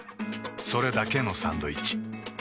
それだけのサンドイッチ。